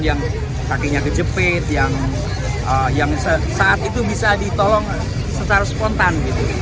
yang kakinya kejepit yang saat itu bisa ditolong secara spontan